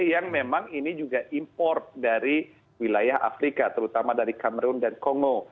yang memang ini juga import dari wilayah afrika terutama dari kamron dan kongo